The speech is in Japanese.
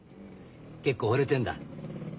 結構ほれてんだ。